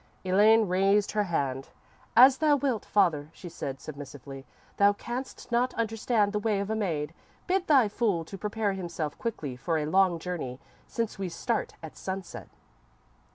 "_ _Elaine raised her hand. "As thou wilt, father," she said, submissively. "Thou canst not understand the way of a maid. Bid thy fool to prepare himself quickly for a long journey, since we start at sunset."